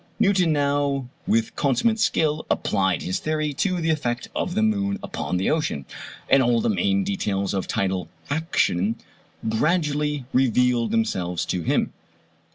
Newton now with consummate skill applied his theory to the effect of the moon upon the ocean, and all the main details of tidal action gradually revealed themselves to him.